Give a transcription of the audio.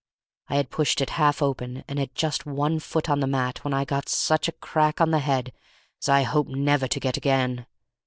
I had pushed it half open and had just one foot on the mat when I got such a crack on the head as I hope never to get again.